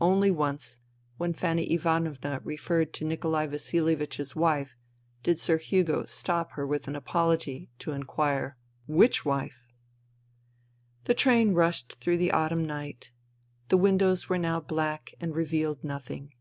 Only once, when Fanny Ivanovna referred to Nikolai Vasilievich's wife did Sir Hugo stop her with an apology, to inquire " Which wife ?" The train rushed through the autumn night ; the windows now were black and revealed nothing.